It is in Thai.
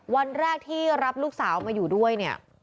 วันแรกที่รับลูกสาวมาอยู่ด้วยเนี่ย